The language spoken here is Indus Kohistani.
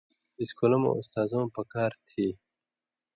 اِسکُلؤں مہ اُستازؤں پکار تھی